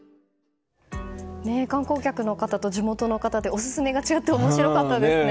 観光客の方と地元の方でオススメが違って面白かったですね。